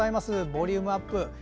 ボリュームアップ。